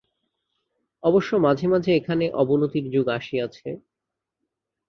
অবশ্য মাঝে মাঝে এখানে অবনতির যুগ আসিয়াছে।